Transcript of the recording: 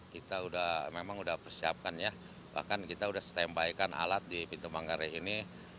kita memang udah persiapkan ya bahkan kita udah setembaikan alat di pintu manggarai ini